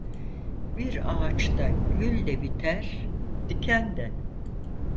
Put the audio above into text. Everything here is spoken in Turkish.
Bir ağaçta gül de biter, diken de.